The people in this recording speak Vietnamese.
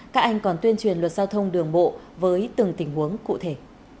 các anh còn tuyên truyền luật giao thông đường bộ với từng tình huống cụ thể